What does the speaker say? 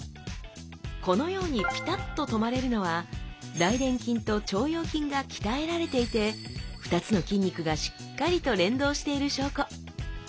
このようにピタッと止まれるのは大臀筋と腸腰筋が鍛えられていて２つの筋肉がしっかりと連動している証拠。